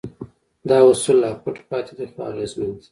دا اصول لا پټ پاتې دي خو اغېزمن دي.